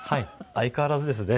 相変わらずですね。